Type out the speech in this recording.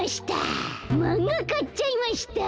マンガかっちゃいました。